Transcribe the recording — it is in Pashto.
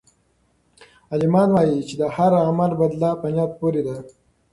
عالمان وایي چې د هر عمل بدله په نیت پورې ده.